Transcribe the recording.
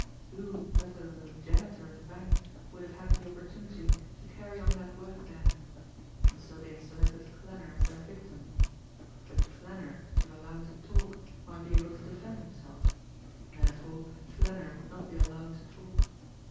Who, better than the janitor of the bank, would have had the opportunity to carry on that work there! And so they had selected Klanner as their victim. But Klanner, if allowed to talk, might be able to defend himself therefore Klanner would not be allowed to talk.